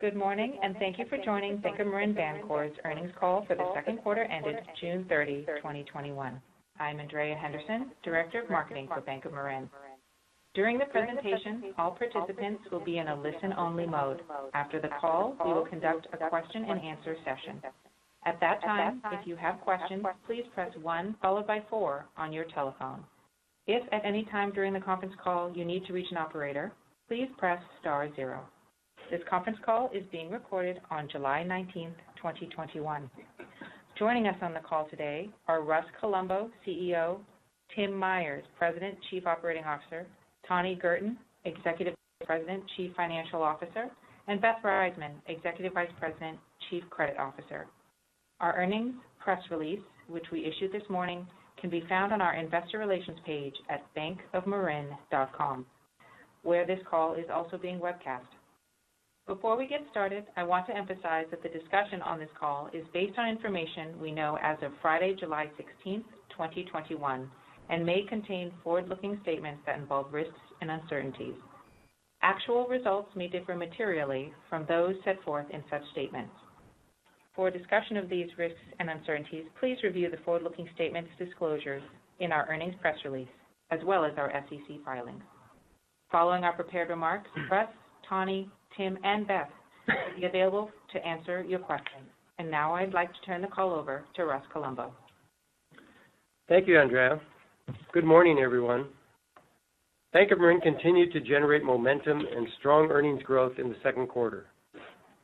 Good morning. Thank you for joining Bank of Marin Bancorp's earnings call for the second quarter ended June 30, 2021. I am Andrea Henderson, Director of Marketing for Bank of Marin. During the presentation, all participants will be in a listen-only mode. After the call, we will conduct a Q&A session. At that time, if you have questions, please press one followed by four on your telephone. If at any time during the conference call you need to reach an a operator, please press star zero. This conference call is being recorded on July 19th, 2021. Joining us on the call today are Russ Colombo, CEO; Tim Myers, President, Chief Operating Officer; Tani Girton, Executive Vice President, Chief Financial Officer; and Beth Reizman, Executive Vice President, Chief Credit Officer. Our earnings press release, which we issued this morning, can be found on our investor relations page at bankofmarin.com, where this call is also being webcast. Before we get started, I want to emphasize that the discussion on this call is based on information we know as of Friday, July 16th, 2021, and may contain forward-looking statements that involve risks and uncertainties. Actual results may differ materially from those set forth in such statements. For a discussion of these risks and uncertainties, please review the forward-looking statements disclosures in our earnings press release, as well as our SEC filings. Following our prepared remarks, Russ, Tani, Tim, and Beth will be available to answer your questions. Now I'd like to turn the call over to Russ Colombo. Thank you, Andrea. Good morning, everyone. Bank of Marin continued to generate momentum and strong earnings growth in the second quarter.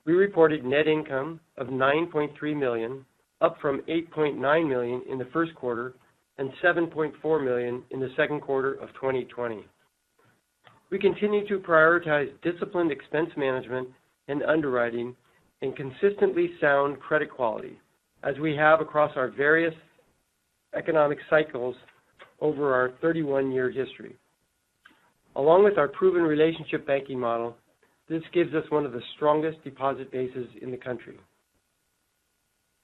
We reported net income of $9.3 million, up from $8.9 million in the first quarter and $7.4 million in the second quarter of 2020. We continue to prioritize disciplined expense management and underwriting and consistently sound credit quality, as we have across our various economic cycles over our 31-year history. Along with our proven relationship banking model, this gives us one of the strongest deposit bases in the country.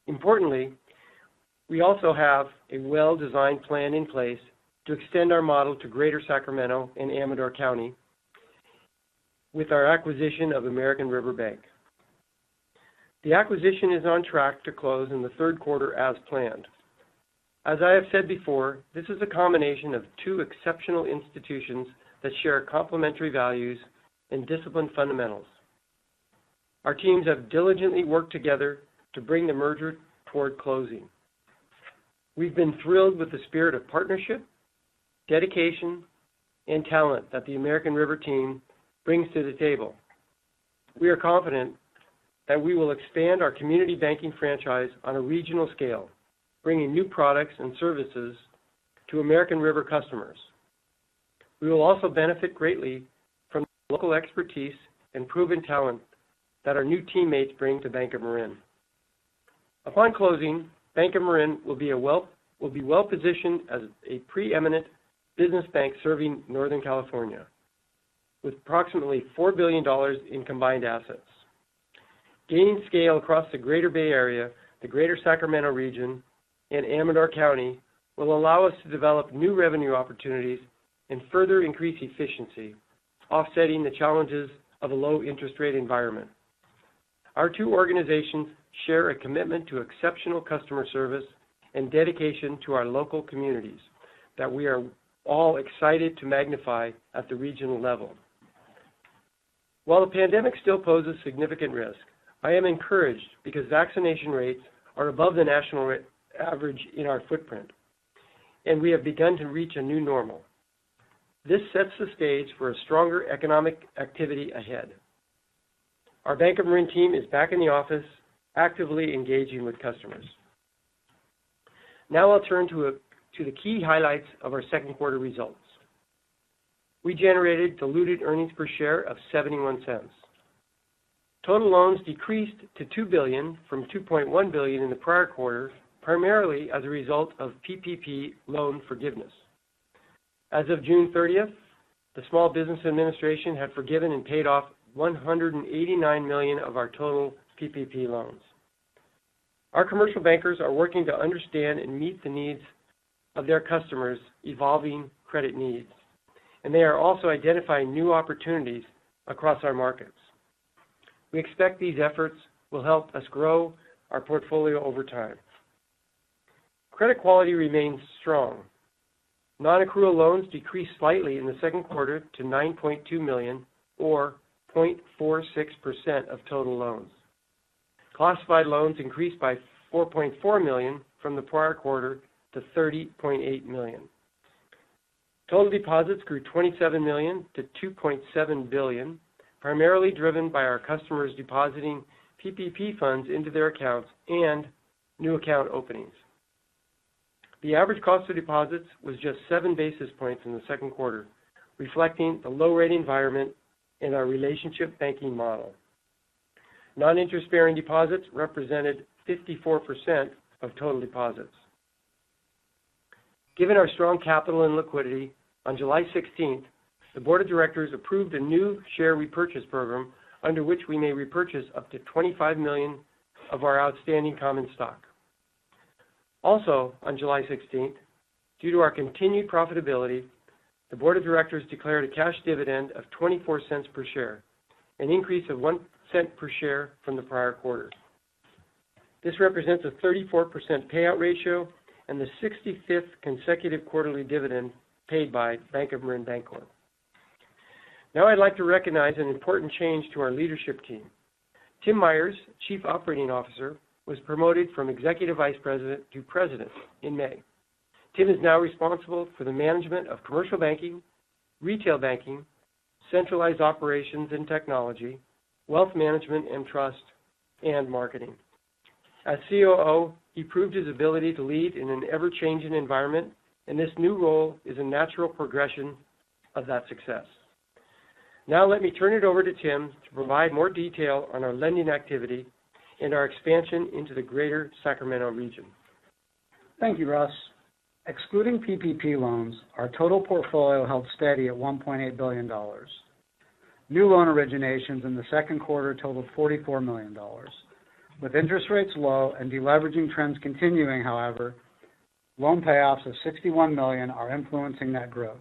Importantly, we also have a well-designed plan in place to extend our model to Greater Sacramento and Amador County with our acquisition of American River Bank. The acquisition is on track to close in the third quarter as planned. As I have said before, this is a combination of two exceptional institutions that share complementary values and disciplined fundamentals. Our teams have diligently worked together to bring the merger toward closing. We've been thrilled with the spirit of partnership, dedication, and talent that the American River team brings to the table. We are confident that we will expand our community banking franchise on a regional scale, bringing new products and services to American River customers. We will also benefit greatly from the local expertise and proven talent that our new teammates bring to Bank of Marin. Upon closing, Bank of Marin will be well-positioned as a preeminent business bank serving Northern California with approximately $4 billion in combined assets. Gaining scale across the greater Bay Area, the greater Sacramento region, and Amador County will allow us to develop new revenue opportunities and further increase efficiency, offsetting the challenges of a low interest rate environment. Our two organizations share a commitment to exceptional customer service and dedication to our local communities that we are all excited to magnify at the regional level. While the pandemic still poses significant risk, I am encouraged because vaccination rates are above the national average in our footprint, and we have begun to reach a new normal. This sets the stage for a stronger economic activity ahead. Our Bank of Marin team is back in the office actively engaging with customers. Now I'll turn to the key highlights of our second quarter results. We generated diluted earnings per share of $0.71. Total loans decreased to $2 billion from $2.1 billion in the prior quarter, primarily as a result of PPP loan forgiveness. As of June 30th, the Small Business Administration had forgiven and paid off $189 million of our total PPP loans. Our commercial bankers are working to understand and meet the needs of their customers' evolving credit needs. They are also identifying new opportunities across our markets. We expect these efforts will help us grow our portfolio over time. Credit quality remains strong. Non-accrual loans decreased slightly in the second quarter to $9.2 million, or 0.46% of total loans. Classified loans increased by $4.4 million from the prior quarter to $30.8 million. Total deposits grew $27 million to $2.7 billion, primarily driven by our customers depositing PPP funds into their accounts and new account openings. The average cost of deposits was just 7 basis points in the second quarter, reflecting the low-rate environment in our relationship banking model. Non-interest-bearing deposits represented 54% of total deposits. Given our strong capital and liquidity, on July 16th, the board of directors approved a new share repurchase program under which we may repurchase up to $25 million of our outstanding common stock. On July 16th, due to our continued profitability, the board of directors declared a cash dividend of $0.24 per share, an increase of $0.01 per share from the prior quarter. This represents a 34% payout ratio and the 65th consecutive quarterly dividend paid by Bank of Marin Bancorp. I'd like to recognize an important change to our leadership team. Tim Myers, Chief Operating Officer, was promoted from Executive Vice President to President in May. Tim is now responsible for the management of commercial banking, retail banking, centralized operations and technology, wealth management and trust, and marketing. As COO, he proved his ability to lead in an ever-changing environment, and this new role is a natural progression of that success. Let me turn it over to Tim to provide more detail on our lending activity and our expansion into the Greater Sacramento region. Thank you, Russ. Excluding PPP loans, our total portfolio held steady at $1.8 billion. New loan originations in the second quarter totaled $44 million. With interest rates low and de-leveraging trends continuing, however, loan payoffs of $61 million are influencing that growth.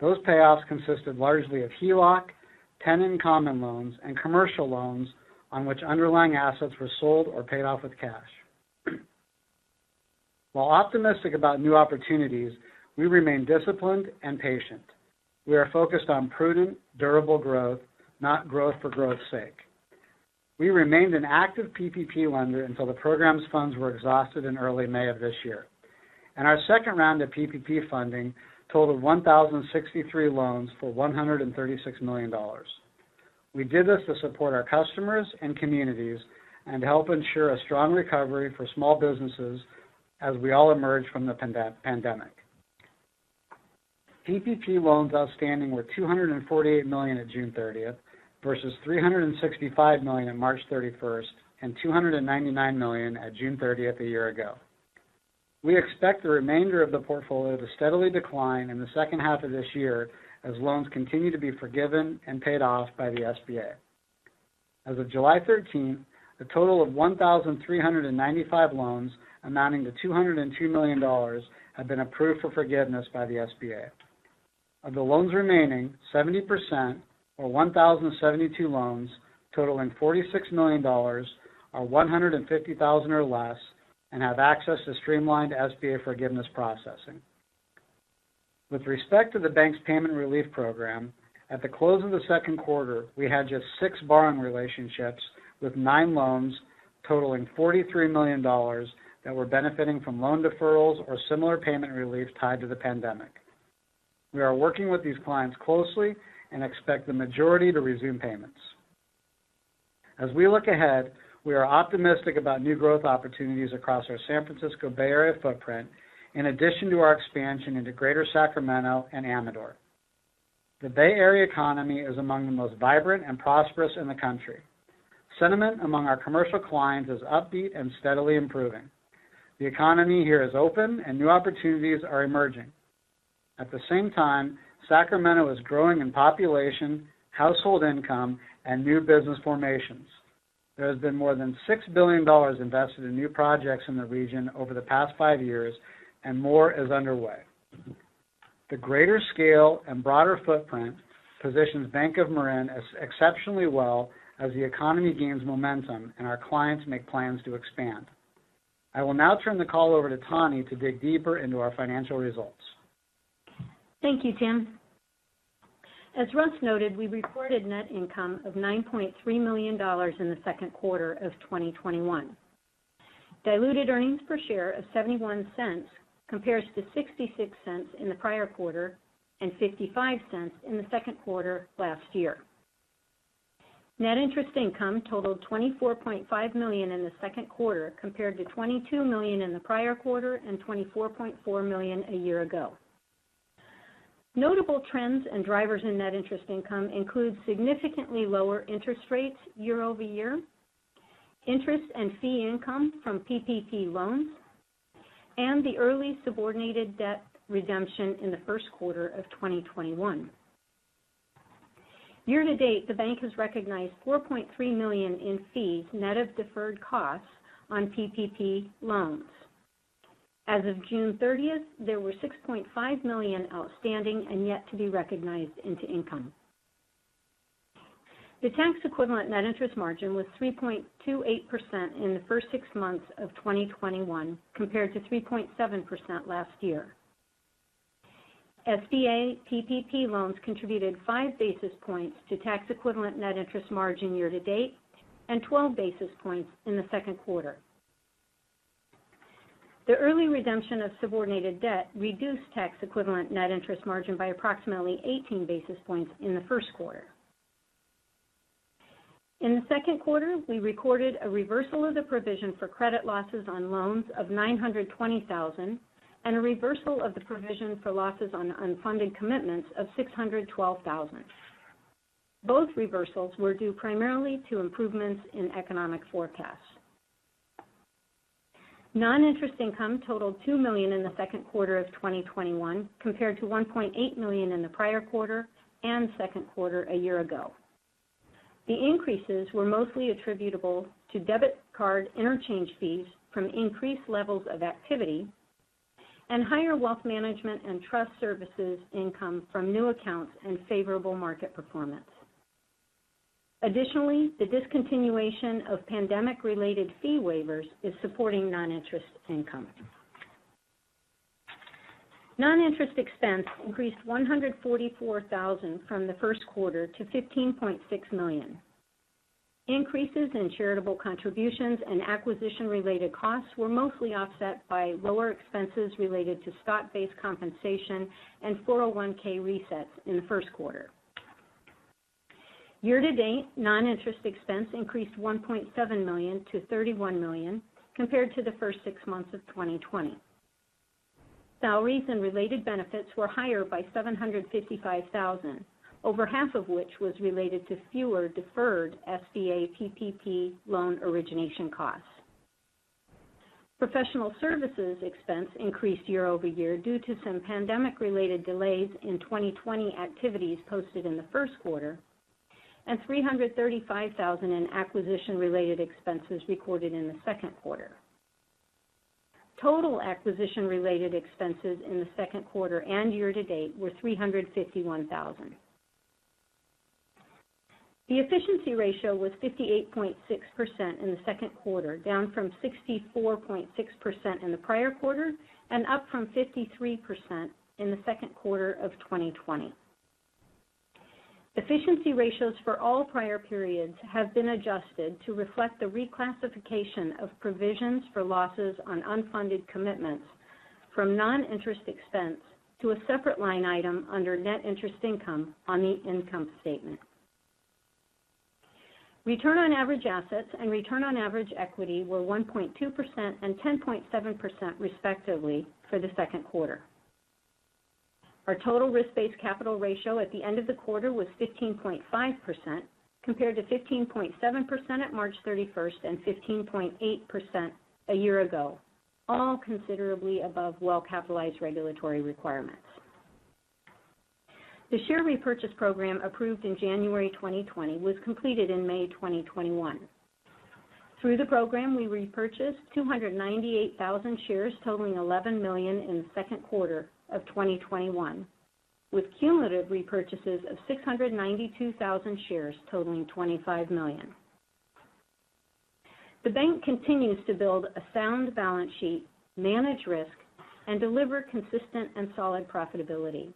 Those payoffs consisted largely of HELOC, tenant-in-common loans, and commercial loans on which underlying assets were sold or paid off with cash. While optimistic about new opportunities, we remain disciplined and patient. We are focused on prudent, durable growth, not growth for growth's sake. We remained an active PPP lender until the program's funds were exhausted in early May of this year. Our second round of PPP funding totaled 1,063 loans for $136 million. We did this to support our customers and communities and help ensure a strong recovery for small businesses as we all emerge from the pandemic. PPP loans outstanding were $248 million on June 30th, versus $365 million on March 31st, and $299 million on June 30th a year ago. We expect the remainder of the portfolio to steadily decline in the second half of this year as loans continue to be forgiven and paid off by the SBA. As of July 13th, a total of 1,395 loans amounting to $202 million have been approved for forgiveness by the SBA. Of the loans remaining, 70%, or 1,072 loans totaling $46 million, are $150,000 or less and have access to streamlined SBA forgiveness processing. With respect to the bank's payment relief program, at the close of the second quarter, we had just six borrowing relationships with nine loans totaling $43 million that were benefiting from loan deferrals or similar payment relief tied to the pandemic. We are working with these clients closely and expect the majority to resume payments. As we look ahead, we are optimistic about new growth opportunities across our San Francisco Bay Area footprint, in addition to our expansion into Greater Sacramento and Amador. The Bay Area economy is among the most vibrant and prosperous in the country. Sentiment among our commercial clients is upbeat and steadily improving. The economy here is open and new opportunities are emerging. At the same time, Sacramento is growing in population, household income, and new business formations. There has been more than $6 billion invested in new projects in the region over the past five years, and more is underway. The greater scale and broader footprint positions Bank of Marin exceptionally well as the economy gains momentum and our clients make plans to expand. I will now turn the call over to Tani to dig deeper into our financial results. Thank you, Tim. As Russ noted, we reported net income of $9.3 million in the second quarter of 2021. Diluted earnings per share of $0.71 compares to $0.66 in the prior quarter and $0.55 in the second quarter last year. Net interest income totaled $24.5 million in the second quarter, compared to $22 million in the prior quarter and $24.4 million a year ago. Notable trends and drivers in net interest income include significantly lower interest rates year-over-year, interest and fee income from PPP loans, and the early subordinated debt redemption in the first quarter of 2021. Year-to-date, the bank has recognized $4.3 million in fees, net of deferred costs, on PPP loans. As of June 30th, there were $6.5 million outstanding and yet to be recognized into income. The tax-equivalent net interest margin was 3.28% in the first six months of 2021, compared to 3.7% last year. SBA PPP loans contributed five basis points to tax-equivalent net interest margin year to date, and 12 basis points in the second quarter. The early redemption of subordinated debt reduced tax-equivalent net interest margin by approximately 18 basis points in the first quarter. In the second quarter, we recorded a reversal of the provision for credit losses on loans of $920,000 and a reversal of the provision for losses on unfunded commitments of $612,000. Both reversals were due primarily to improvements in economic forecasts. Non-interest income totaled $2 million in the second quarter of 2021, compared to $1.8 million in the prior quarter and second quarter a year ago. The increases were mostly attributable to debit card interchange fees from increased levels of activity and higher wealth management and trust services income from new accounts and favorable market performance. Additionally, the discontinuation of pandemic-related fee waivers is supporting non-interest income. Non-interest expense increased $144,000 from the first quarter to $15.6 million. Increases in charitable contributions and acquisition-related costs were mostly offset by lower expenses related to stock-based compensation and 401(k) resets in the first quarter. Year to date, non-interest expense increased $1.7 million to $31 million compared to the first six months of 2020. Salaries and related benefits were higher by $755,000, over half of which was related to fewer deferred SBA PPP loan origination costs. Professional services expense increased year-over-year due to some pandemic-related delays in 2020 activities posted in the first quarter and $335,000 in acquisition-related expenses recorded in the second quarter. Total acquisition-related expenses in the second quarter and year-to-date were $351,000. The efficiency ratio was 58.6% in the second quarter, down from 64.6% in the prior quarter and up from 53% in the second quarter of 2020. Efficiency ratios for all prior periods have been adjusted to reflect the reclassification of provisions for losses on unfunded commitments from non-interest expense to a separate line item under net interest income on the income statement. Return on average assets and return on average equity were 1.2% and 10.7%, respectively, for the second quarter. Our total risk-based capital ratio at the end of the quarter was 15.5%, compared to 15.7% at March 31st and 15.8% a year ago, all considerably above well-capitalized regulatory requirements. The share repurchase program approved in January 2020 was completed in May 2021. Through the program, we repurchased 298,000 shares totaling $11 million in the second quarter of 2021, with cumulative repurchases of 692,000 shares totaling $25 million. The bank continues to build a sound balance sheet, manage risk, and deliver consistent and solid profitability.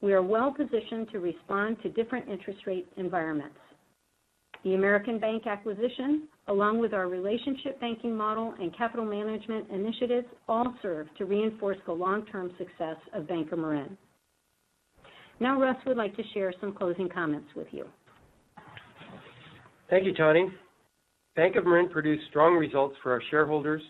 We are well positioned to respond to different interest rate environments. The American Bank acquisition, along with our relationship banking model and capital management initiatives, all serve to reinforce the long-term success of Bank of Marin. Now Russ would like to share some closing comments with you. Thank you, Tani. Bank of Marin produced strong results for our shareholders,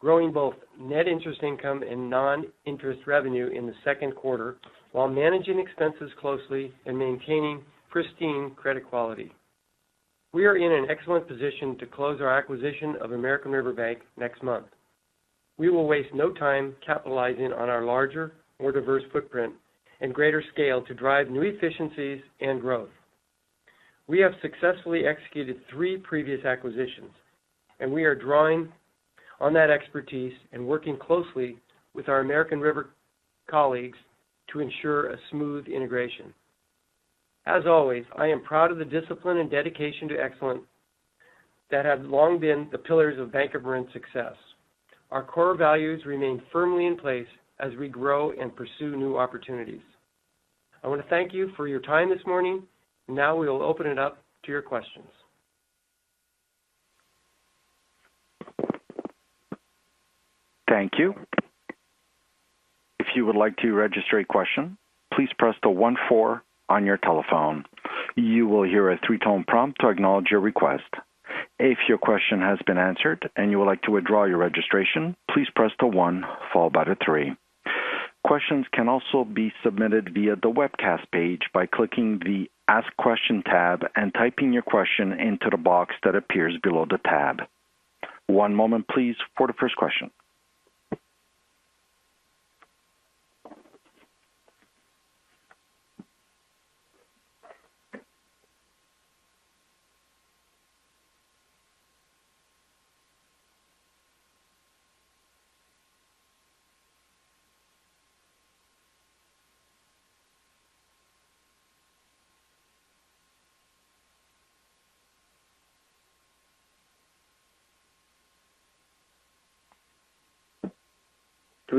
growing both net interest income and non-interest revenue in the second quarter while managing expenses closely and maintaining pristine credit quality. We are in an excellent position to close our acquisition of American River Bank next month. We will waste no time capitalizing on our larger, more diverse footprint and greater scale to drive new efficiencies and growth. We have successfully executed three previous acquisitions, and we are drawing on that expertise and working closely with our American River colleagues to ensure a smooth integration. As always, I am proud of the discipline and dedication to excellence that have long been the pillars of Bank of Marin's success. Our core values remain firmly in place as we grow and pursue new opportunities. I want to thank you for your time this morning. Now we will open it up to your questions. Thank you. If you would like to register a question, please press the one four on your telephone. You will hear a three-tone prompt to acknowledge your request. If your question has been answered and you would like to withdraw your registration, please press the one followed by the three. Questions can also be submitted via the webcast page by clicking the Ask Question tab and typing your question into the box that appears below the tab. One moment please for the first question.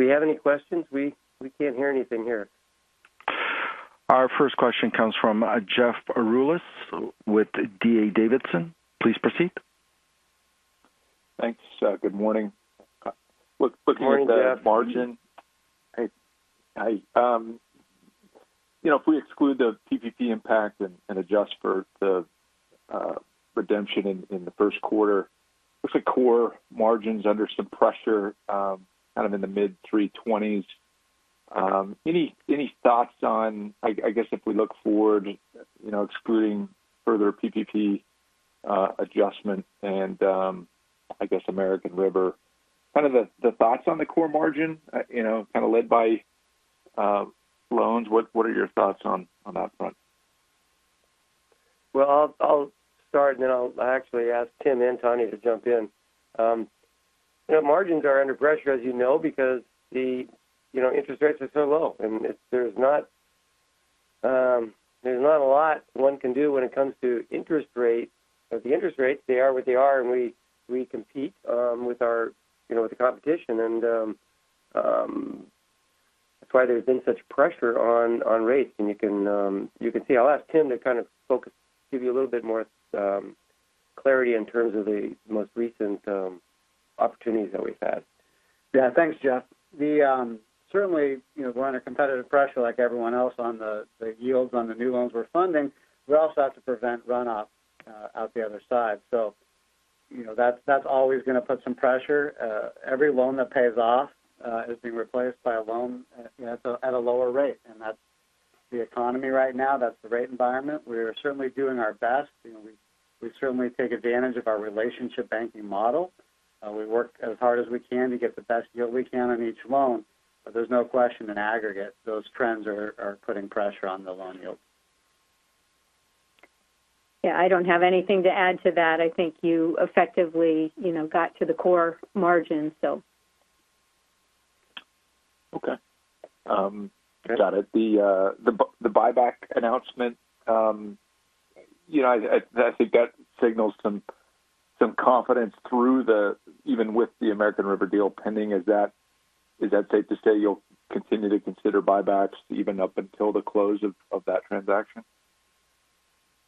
Do we have any questions? We can't hear anything here. Our first question comes from Jeff Rulis with D.A. Davidson. Please proceed. Thanks. Good morning. Good morning, Jeff. Looking at the margin. Hey. If we exclude the PPP impact and adjust for the redemption in the first quarter, looks like core margins under some pressure kind of in the mid-320s. Any thoughts on, I guess if we look forward, excluding further PPP adjustment and I guess American River, kind of the thoughts on the core margin kind of led by loans. What are your thoughts on that front? Well, I'll start, and then I'll actually ask Tim and Tani Girton to jump in. Margins are under pressure, as you know, because the interest rates are so low, and there's not a lot one can do when it comes to interest rates. The interest rates, they are what they are, and we compete with the competition, and that's why there's been such pressure on rates. You can see. I'll ask Tim to kind of focus, give you a little bit more clarity in terms of the most recent opportunities that we've had. Yeah. Thanks, Jeff. Certainly, we're under competitive pressure like everyone else on the yields on the new loans we're funding. That's always going to put some pressure. Every loan that pays off is being replaced by a loan at a lower rate, and that's the economy right now. That's the rate environment. We are certainly doing our best. We certainly take advantage of our relationship banking model. We work as hard as we can to get the best yield we can on each loan. There's no question, in aggregate, those trends are putting pressure on the loan yields. Yeah, I don't have anything to add to that. I think you effectively got to the core margin, so. Okay. Sure. Got it. The buyback announcement. I think that signals some confidence even with the American River deal pending. Is that safe to say you'll continue to consider buybacks even up until the close of that transaction?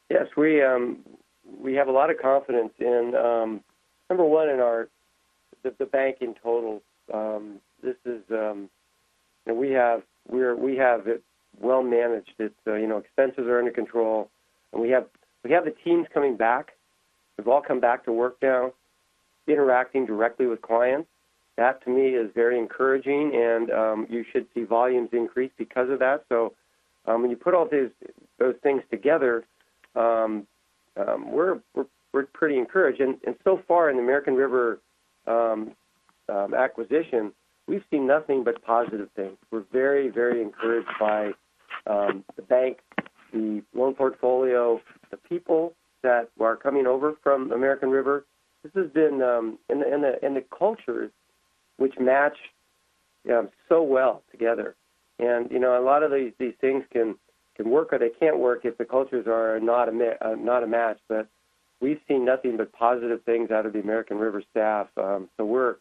Yes. We have a lot of confidence in, number one, in the bank in total. We have it well managed. Expenses are under control, and we have the teams coming back. They've all come back to work now, interacting directly with clients. That, to me, is very encouraging, and you should see volumes increase because of that. When you put all those things together, we're pretty encouraged. So far in the American River acquisition, we've seen nothing but positive things. We're very encouraged by the bank, the loan portfolio, the people that are coming over from American River, and the cultures which match so well together. A lot of these things can work, or they can't work if the cultures are not a match. We've seen nothing but positive things out of the American River staff. We're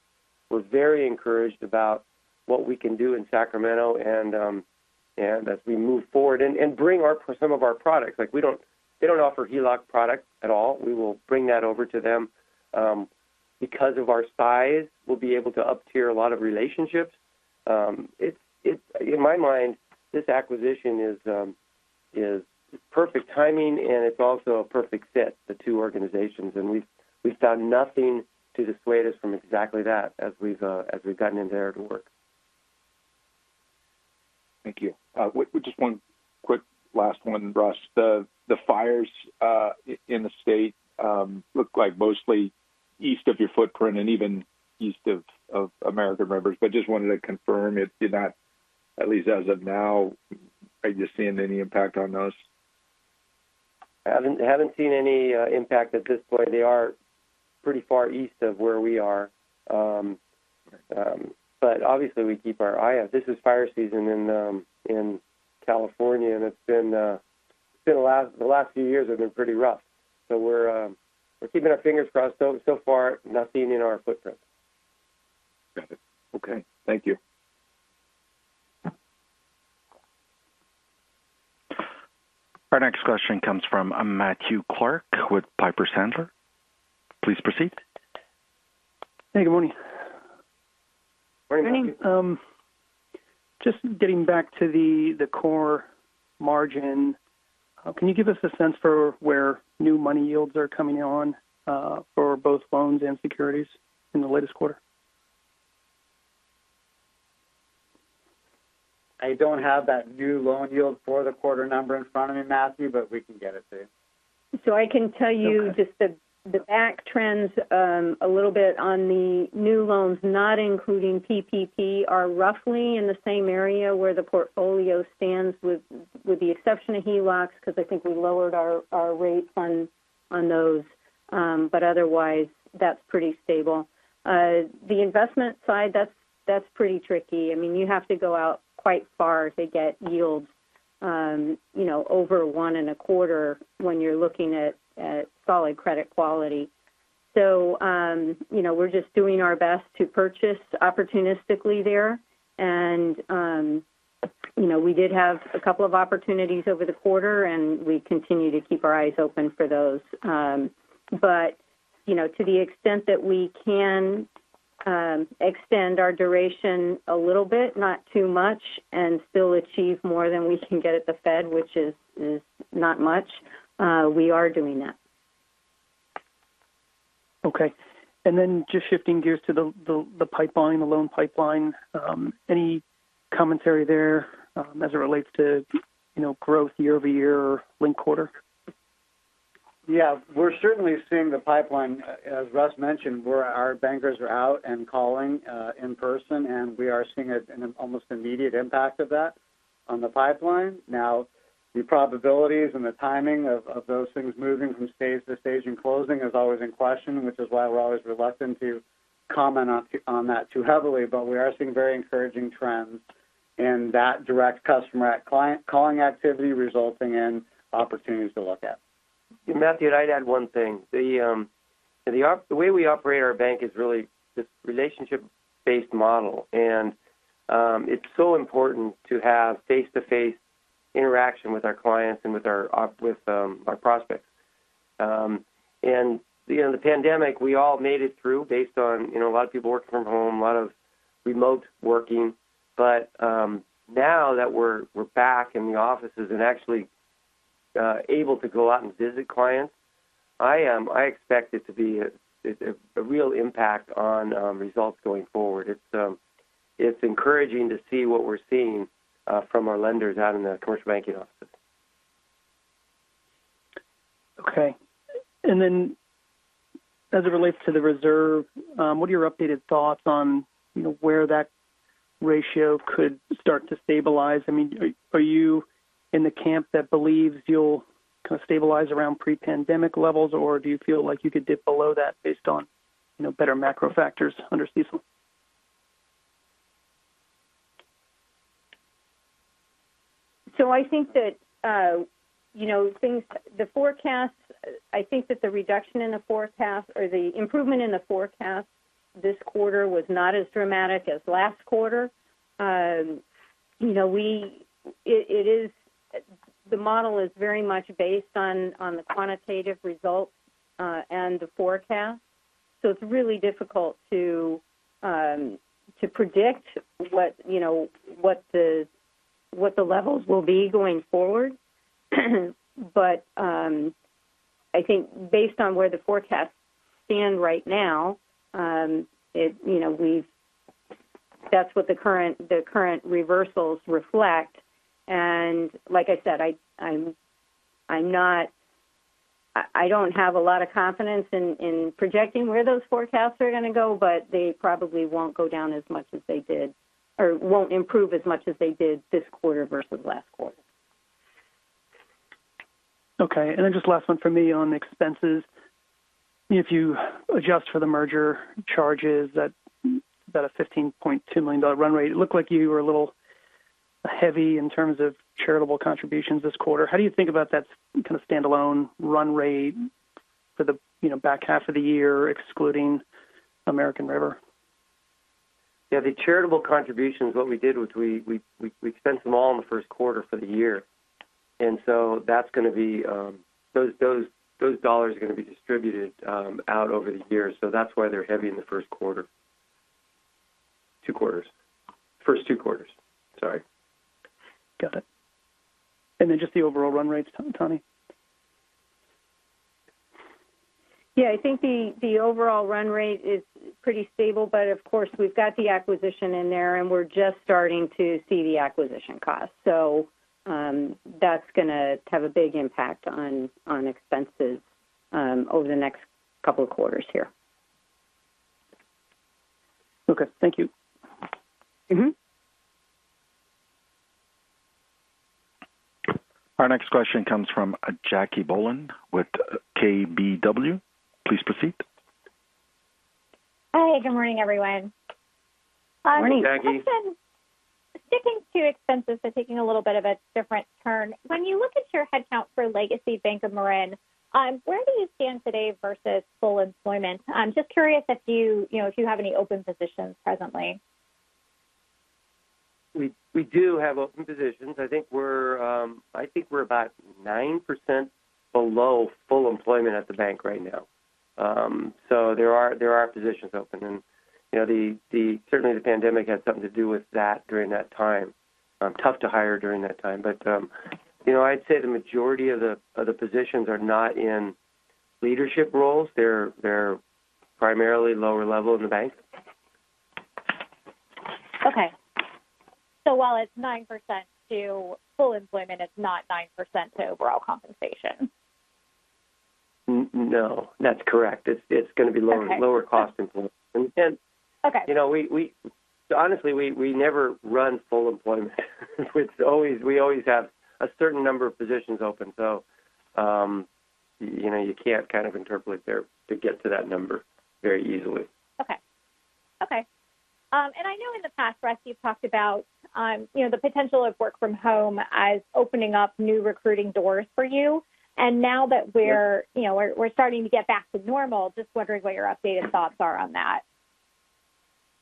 very encouraged about what we can do in Sacramento and as we move forward and bring some of our products. They don't offer HELOC products at all. We will bring that over to them. Because of our size, we'll be able to up-tier a lot of relationships. In my mind, this acquisition is perfect timing, and it's also a perfect fit, the two organizations. We've found nothing to dissuade us from exactly that as we've gotten in there to work. Thank you. Just one quick last one, Russ. The fires in the state look like mostly east of your footprint and even east of American River, but just wanted to confirm it did not, at least as of now, are you seeing any impact on those? I haven't seen any impact at this point. They are pretty far east of where we are. Obviously, we keep our eye out. This is fire season in California. The last few years have been pretty rough. We're keeping our fingers crossed. So far, nothing in our footprint. Got it. Okay. Thank you. Our next question comes from Matthew Clark with Piper Sandler. Please proceed. Hey, good morning. Morning, Matthew. Just getting back to the core margin, can you give us a sense for where new money yields are coming on for both loans and securities in the latest quarter? I don't have that new loan yield for the quarter number in front of me, Matthew, but we can get it to you. So I can tell you. Okay. Just the back trends a little bit on the new loans, not including PPP, are roughly in the same area where the portfolio stands, with the exception of HELOCs, because I think we lowered our rates on those. Otherwise, that's pretty stable. The investment side, that's pretty tricky. You have to go out quite far to get yields over one and a quarter when you're looking at solid credit quality. We're just doing our best to purchase opportunistically there. We did have a couple of opportunities over the quarter, and we continue to keep our eyes open for those. To the extent that we can extend our duration a little bit, not too much, and still achieve more than we can get at the Fed, which is not much, we are doing that. Okay. Just shifting gears to the pipeline, the loan pipeline. Any commentary there as it relates to growth year-over-year or linked quarter? We're certainly seeing the pipeline. As Russ mentioned, our bankers are out and calling in person, and we are seeing an almost immediate impact of that on the pipeline. Now, the probabilities and the timing of those things moving from stage to stage and closing is always in question, which is why we're always reluctant to comment on that too heavily. We are seeing very encouraging trends in that direct customer client calling activity resulting in opportunities to look at. Matthew, I'd add one thing. The way we operate our Bank of Marin is really this relationship-based model, and it's so important to have face-to-face interaction with our clients and with our prospects. The pandemic, we all made it through based on a lot of people working from home, a lot of remote working. Now that we're back in the offices and actually able to go out and visit clients, I expect it to be a real impact on results going forward. It's encouraging to see what we're seeing from our lenders out in the commercial banking offices. Okay. As it relates to the reserve, what are your updated thoughts on where that ratio could start to stabilize? Are you in the camp that believes you'll stabilize around pre-pandemic levels, or do you feel like you could dip below that based on better macro factors under CECL? I think that the reduction in the forecast or the improvement in the forecast this quarter was not as dramatic as last quarter. The model is very much based on the quantitative results and the forecast. It's really difficult to predict what the levels will be going forward. I think based on where the forecasts stand right now, that's what the current reversals reflect. Like I said, I don't have a lot of confidence in projecting where those forecasts are going to go, but they probably won't go down as much as they did or won't improve as much as they did this quarter versus last quarter. Okay. Just last one from me on expenses. If you adjust for the merger charges at about a $15.2 million run rate, it looked like you were a little heavy in terms of charitable contributions this quarter. How do you think about that kind of standalone run rate for the back half of the year, excluding American River? Yeah. The charitable contributions, what we did was we spent them all in the first quarter for the year. Those dollars are going to be distributed out over the year. That's why they're heavy in the first quarter. Two quarters. First two quarters. Sorry. Got it. Then just the overall run rates, Tani? I think the overall run rate is pretty stable, but of course, we've got the acquisition in there, and we're just starting to see the acquisition cost. That's going to have a big impact on expenses over the next couple of quarters here. Okay. Thank you. Our next question comes from Jackie Bohlen with KBW. Please proceed. Hi. Good morning, everyone. Morning, Jackie. Sticking to expenses, taking a little bit of a different turn. When you look at your headcount for Legacy Bank of Marin, where do you stand today versus full employment? I'm just curious if you have any open positions presently. We do have open positions. I think we're about 9% below full employment at the bank right now. There are positions open, and certainly the pandemic had something to do with that during that time. Tough to hire during that time. I'd say the majority of the positions are not in leadership roles. They're primarily lower level in the bank. Okay. while it's 9% to full employment, it's not 9% to overall compensation. No. That's correct. It's going to be lower. Okay. Cost employment. Okay. Honestly, we never run full employment. We always have a certain number of positions open. You can't kind of interpolate there to get to that number very easily. Okay. I know in the past, Russ, you've talked about the potential of work from home as opening up new recruiting doors for you. Yeah. Starting to get back to normal, just wondering what your updated thoughts are on that.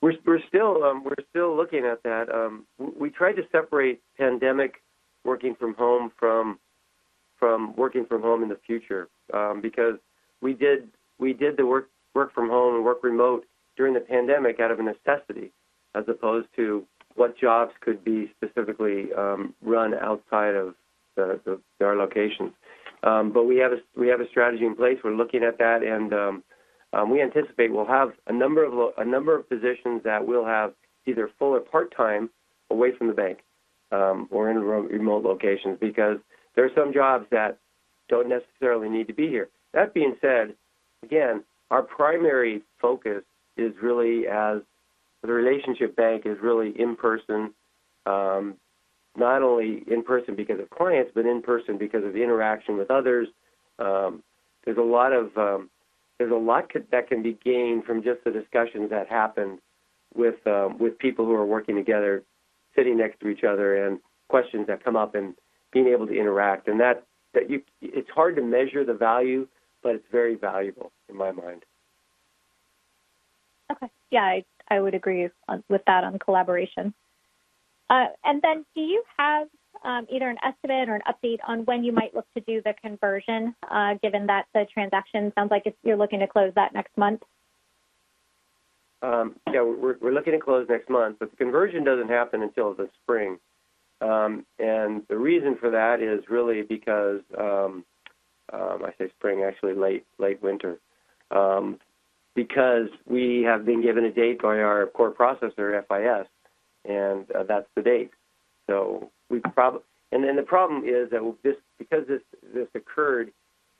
We're still looking at that. We try to separate pandemic working from home from working from home in the future because we did the work from home and work remote during the pandemic out of a necessity, as opposed to what jobs could be specifically run outside of our locations. We have a strategy in place. We're looking at that, and we anticipate we'll have a number of positions that we'll have either full or part-time away from the Bank of Marin. Or in remote locations because there are some jobs that don't necessarily need to be here. That being said, again, our primary focus is really as the relationship bank is really in-person. Not only in-person because of clients, but in-person because of the interaction with others. There's a lot that can be gained from just the discussions that happen with people who are working together, sitting next to each other, and questions that come up and being able to interact. It's hard to measure the value, but it's very valuable in my mind. Okay. Yeah, I would agree with that on collaboration. Do you have either an estimate or an update on when you might look to do the conversion, given that the transaction sounds like you're looking to close that next month? Yeah. We're looking to close next month, but the conversion doesn't happen until the spring. The reason for that is really because, I say spring, actually late winter. We have been given a date by our core processor, FIS, and that's the date. The problem is that because this occurred,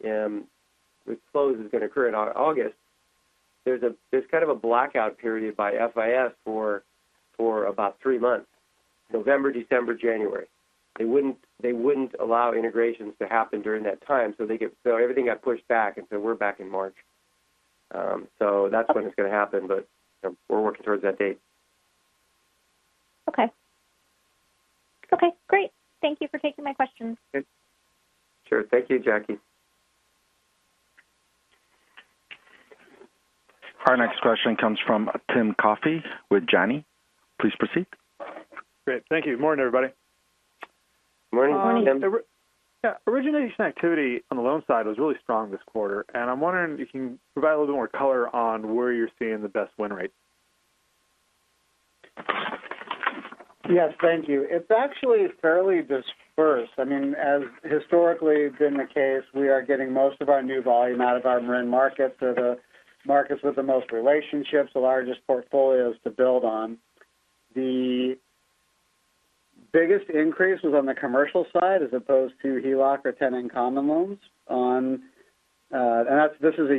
this close is going to occur in August. There's a kind of a blackout period by FIS for about three months. November, December, January. They wouldn't allow integrations to happen during that time, so everything got pushed back, and so we're back in March. That's when it's going to happen, but we're working towards that date. Okay. Great. Thank you for taking my questions. Sure. Thank you, Jackie. Our next question comes from Tim Coffey with Janney. Please proceed. Great. Thank you. Morning, everybody. Morning, Tim. Yeah. Origination activity on the loan side was really strong this quarter, and I'm wondering if you can provide a little bit more color on where you're seeing the best win rates. Yes, thank you. It's actually fairly dispersed. I mean, as historically been the case, we are getting most of our new volume out of our Marin markets. They're the markets with the most relationships, the largest portfolios to build on. The biggest increase was on the commercial side as opposed to HELOC or tenant-in-common loans. These are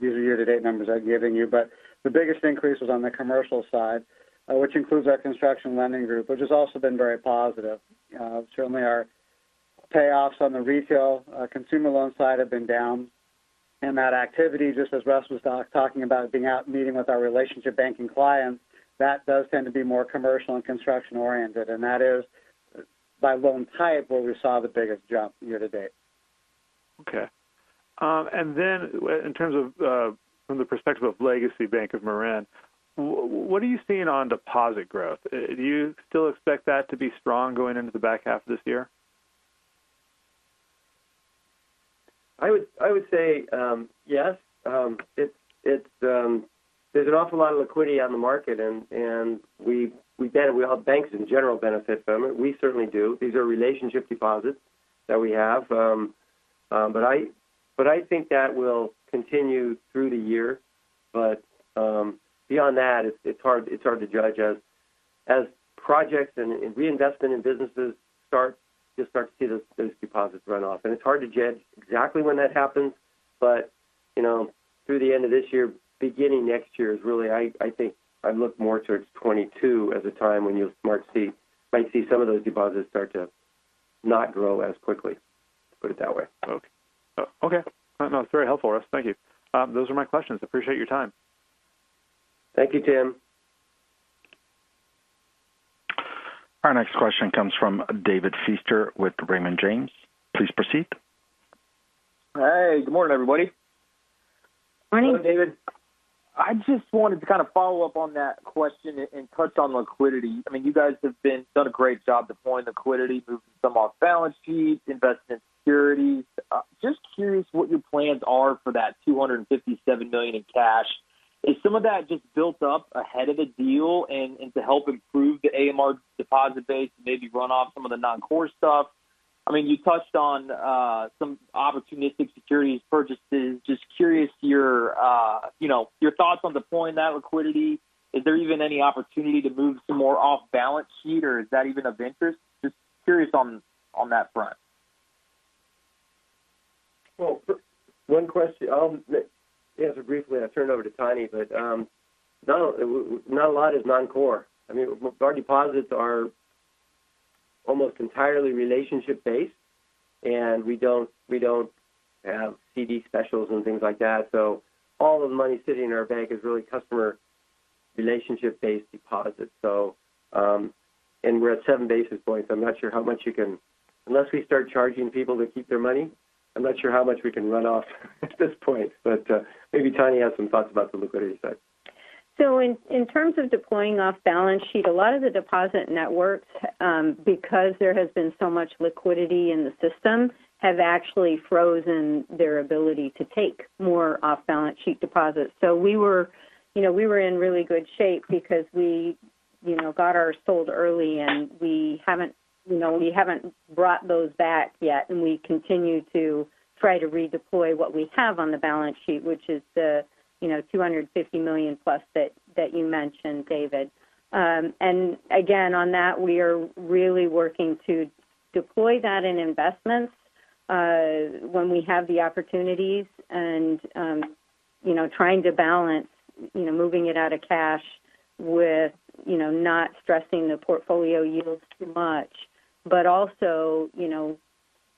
year-to-date numbers I'm giving you, but the biggest increase was on the commercial side, which includes our construction lending group, which has also been very positive. Certainly, our payoffs on the retail consumer loan side have been down, that activity, just as Russ was talking about, being out meeting with our relationship banking clients, that does tend to be more commercial and construction oriented. That is by loan type, where we saw the biggest jump year-to-date. Okay. In terms of from the perspective of Legacy Bank of Marin, what are you seeing on deposit growth? Do you still expect that to be strong going into the back half of this year? I would say yes. There's an awful lot of liquidity on the market. All banks, in general, benefit from it. We certainly do. These are relationship deposits that we have. I think that will continue through the year. Beyond that, it's hard to judge as projects and reinvestment in businesses start to see those deposits run off. It's hard to judge exactly when that happens. Through the end of this year, beginning next year is really, I think I look more towards 2022 as a time when you might see some of those deposits start to not grow as quickly. Let's put it that way. Okay. No, it's very helpful, Russ. Thank you. Those are my questions. I appreciate your time. Thank you, Tim. Our next question comes from David Feaster with Raymond James. Please proceed. Hey, good morning, everybody. Morning. Morning, David. I just wanted to kind of follow up on that question and touch on liquidity. I mean, you guys have done a great job deploying liquidity, moving some off balance sheet, investing in securities. Just curious what your plans are for that $257 million in cash. Is some of that just built up ahead of the deal and to help improve the AMRB deposit base and maybe run off some of the non-core stuff? I mean, you touched on some opportunistic securities purchases. Just curious your thoughts on deploying that liquidity. Is there even any opportunity to move some more off balance sheet, or is that even of interest? Just curious on that front. Well, one question I'll answer briefly, and I'll turn it over to Tani. Not a lot is non-core. I mean, our deposits are almost entirely relationship based, and we don't have CD specials and things like that. All the money sitting in our bank is really customer relationship based deposits. We're at 7 basis points. Unless we start charging people to keep their money, I'm not sure how much we can run off at this point, but maybe Tani has some thoughts about the liquidity side. In terms of deploying off-balance sheet, a lot of the deposit networks because there has been so much liquidity in the system, have actually frozen their ability to take more off-balance sheet deposits. We were in really good shape because we got ours sold early. We haven't brought those back yet, and we continue to try to redeploy what we have on the balance sheet, which is the $250 million plus that you mentioned, David. Again, on that, we are really working to deploy that in investments when we have the opportunities and trying to balance moving it out of cash with not stressing the portfolio yields too much. Also,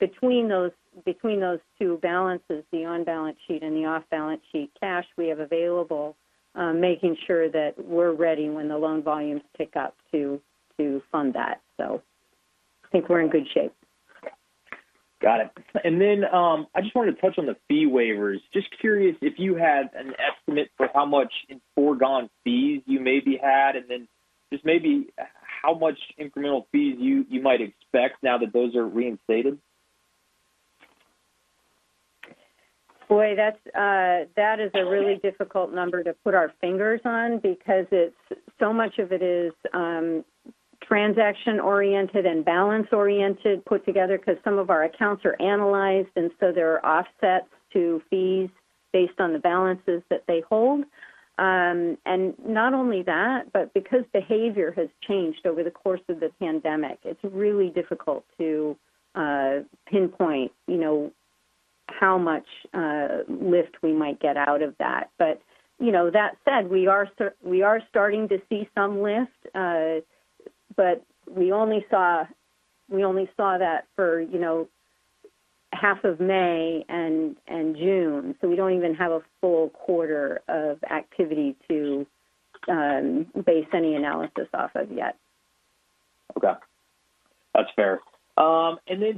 between those two balances, the on-balance sheet and the off-balance sheet cash we have available, making sure that we're ready when the loan volumes pick up to fund that. I think we're in good shape. Got it. I just wanted to touch on the fee waivers. Just curious if you had an estimate for how much in foregone fees you maybe had, and then just maybe how much incremental fees you might expect now that those are reinstated. Boy, that is a really difficult number to put our fingers on because so much of it is transaction-oriented and balance-oriented put together because some of our accounts are analyzed, so there are offsets to fees based on the balances that they hold. Not only that, but because behavior has changed over the course of this pandemic, it's really difficult to pinpoint how much lift we might get out of that. That said, we are starting to see some lift. We only saw that for half of May and June, so we don't even have a full quarter of activity to base any analysis off of yet. Okay. That's fair.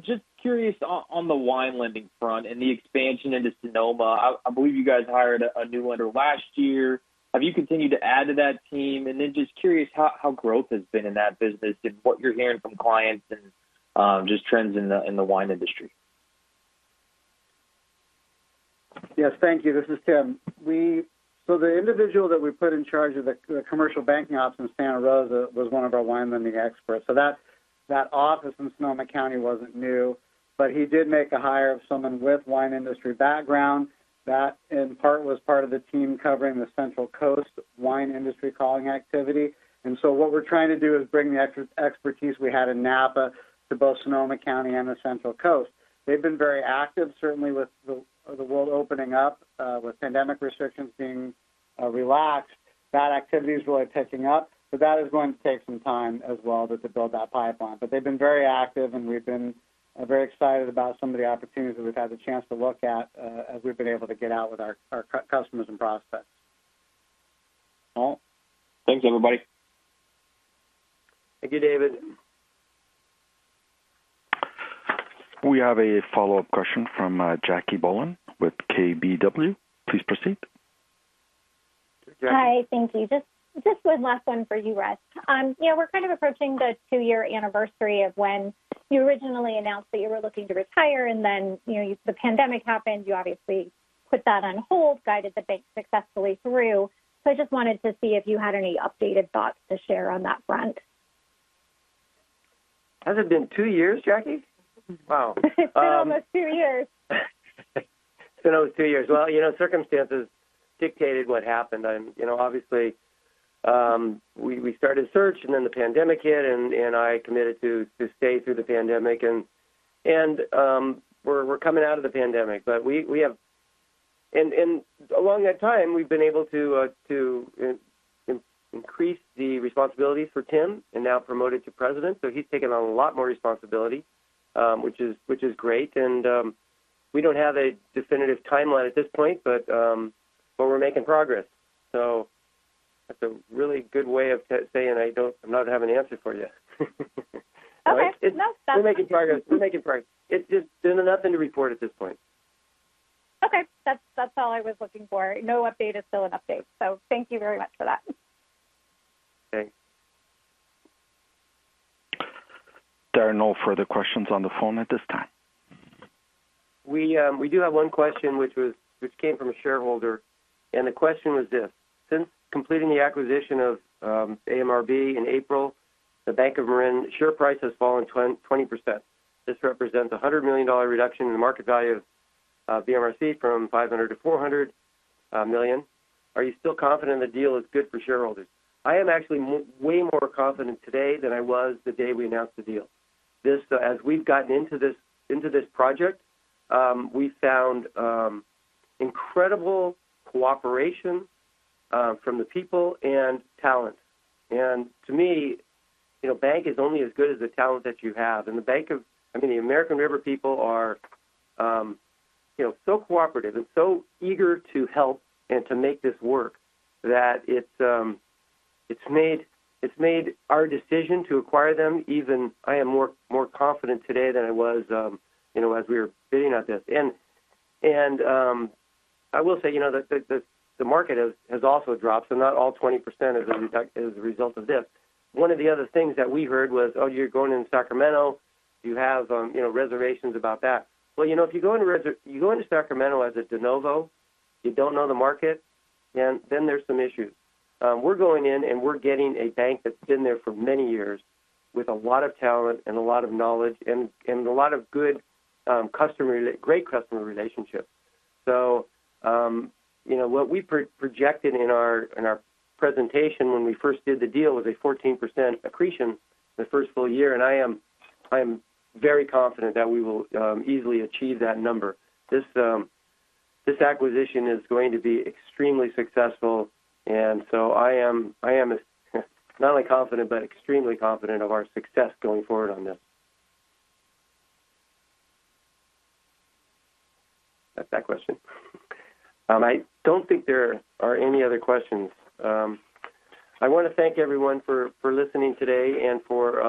Just curious on the wine lending front and the expansion into Sonoma, I believe you guys hired a new lender last year. Have you continued to add to that team? Just curious how growth has been in that business and what you're hearing from clients and just trends in the wine industry. Yes. Thank you. This is Tim. The individual that we put in charge of the commercial banking office in Santa Rosa was one of our wine lending experts. That office in Sonoma County wasn't new, but he did make a hire of someone with wine industry background. That, in part, was part of the team covering the Central Coast wine industry calling activity. What we're trying to do is bring the expertise we had in Napa to both Sonoma County and the Central Coast. They've been very active, certainly with the world opening up, with pandemic restrictions being relaxed. That activity is really picking up, but that is going to take some time as well to build that pipeline. They've been very active, and we've been very excited about some of the opportunities that we've had the chance to look at as we've been able to get out with our customers and prospects. Well, thanks, everybody. Thank you, David. We have a follow-up question from Jackie Bohlen with KBW. Please proceed. Hi. Thank you. Just one last one for you, Russ. We're kind of approaching the two-year anniversary of when you originally announced that you were looking to retire, and then the pandemic happened. You obviously put that on hold, guided the bank successfully through. I just wanted to see if you had any updated thoughts to share on that front. Has it been two years, Jackie? Wow. It's been almost two years. It's been almost two years. Circumstances dictated what happened. Obviously, we started search and then the pandemic hit, and I committed to stay through the pandemic, and we're coming out of the pandemic. Along that time, we've been able to increase the responsibilities for Tim and now promote him to President. He's taken on a lot more responsibility, which is great. We don't have a definitive timeline at this point, but we're making progress. That's a really good way of saying I don't have an answer for you. Okay. No, that's fine. We're making progress. There's nothing to report at this point. Okay. That's all I was looking for. No update is still an update. Thank you very much for that. Thanks. There are no further questions on the phone at this time. We do have one question, which came from a shareholder, and the question was this: Since completing the acquisition of AMRB in April, the Bank of Marin share price has fallen 20%. This represents a $100 million reduction in the market value of BMRC from $500 million to $400 million. Are you still confident the deal is good for shareholders? I am actually way more confident today than I was the day we announced the deal. As we've gotten into this project, we found incredible cooperation from the people and talent. To me, a bank is only as good as the talent that you have. The American River people are so cooperative and so eager to help and to make this work that it's made our decision to acquire them. I am more confident today than I was as we were bidding on this. I will say, the market has also dropped, so not all 20% is a result of this. One of the other things that we heard was, Oh, you're going into Sacramento. Do you have reservations about that? Well, if you go into Sacramento as a de novo, you don't know the market, then there's some issues. We're going in and we're getting a bank that's been there for many years with a lot of talent and a lot of knowledge and a lot of great customer relationships. What we projected in our presentation when we first did the deal was a 14% accretion the first full year, and I am very confident that we will easily achieve that number. This acquisition is going to be extremely successful, I am not only confident but extremely confident of our success going forward on this. That's that question. I don't think there are any other questions. I want to thank everyone for listening today and for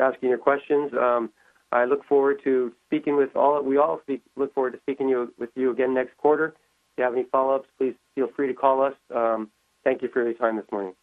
asking your questions. We all look forward to speaking with you again next quarter. If you have any follow-ups, please feel free to call us. Thank you for your time this morning.